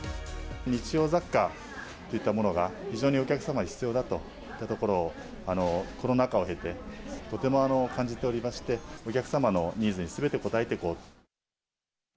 日用雑貨といったものが非常にお客様に必要だといったところを、コロナ禍を経て、とても感じておりまして、お客様のニーズにすべて応えていこうと。